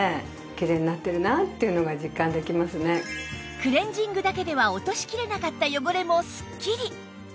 クレンジングだけでは落としきれなかった汚れもスッキリ！